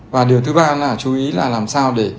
và điều thứ ba là chú ý là làm sao để